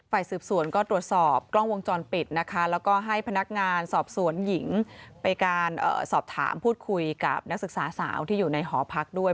ฝ่ายสืบสวนก็ตรวจสอบกล้องวงจรปิดนะคะแล้วก็ให้พนักงานสอบสวนหญิงไปการสอบถามพูดคุยกับนักศึกษาสาวที่อยู่ในหอพักด้วย